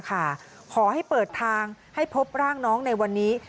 ค่ะต้องเปิดทางให้เห็นอย่างนี้